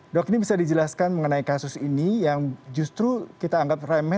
dok ini bisa dijelaskan mengenai kasus ini yang justru kita anggap remeh